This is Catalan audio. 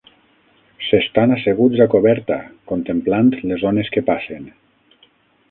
S'estàn asseguts a coberta contemplant les ones que passen